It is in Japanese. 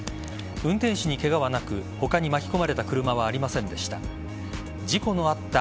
運転手にケガはなく他に巻き込まれた車はありませんでした。